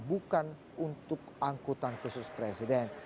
bukan untuk angkutan khusus presiden